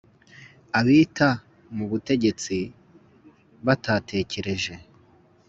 Abita mu butegetsi batatekereje